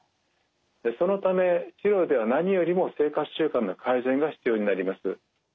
そのため治療では何よりも生活習慣の改善が必要になります。